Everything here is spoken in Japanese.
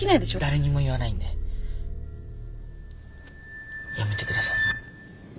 誰にも言わないんでやめて下さい。